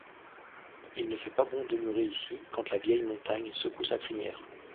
Il ne fait pas bon demeurer ici, quand la vieille montagne secoue sa crinière!